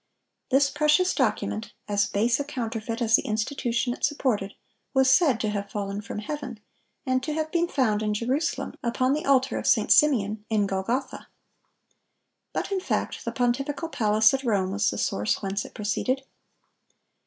This precious document—as base a counterfeit as the institution it supported—was said to have fallen from heaven, and to have been found in Jerusalem, upon the altar of St. Simeon, in Golgotha. But in fact, the pontifical palace at Rome was the source whence it proceeded.